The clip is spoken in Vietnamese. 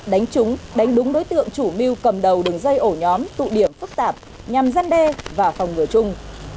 đánh trúng đánh đúng đối tượng chủ mưu cầm đầu đường dây ổ nhóm tụ điểm phức tạp nhằm gian đe và phòng ngừa chung